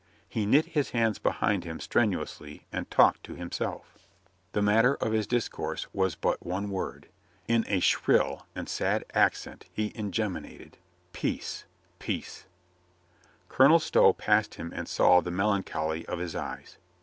He knit his hands behind him strenuously and talked to himself. The matter of his discourse i62 COLONEL GREATHEART was but one word. In a shrill and sad accent he in geminated— "Peace ! Peace !" Colonel Stow passed him and saw the melancholy of his eyes.